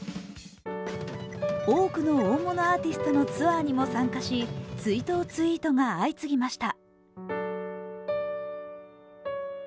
多くの大物アーティストのツアーにも参加し追悼ツイートが相次ぎました。